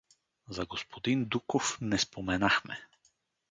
За господин Дуков не споменахме.